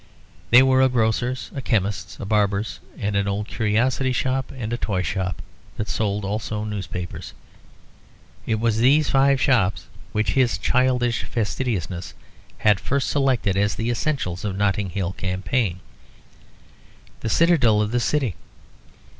They were a grocer's, a chemist's, a barber's, an old curiosity shop and a toy shop that sold also newspapers. It was these five shops which his childish fastidiousness had first selected as the essentials of the Notting Hill campaign, the citadel of the city.